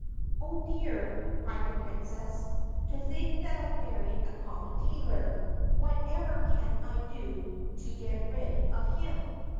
"Oh, dear," cried the princess, "to think that I've married a common tailor! Whatever can I do to get rid of him?"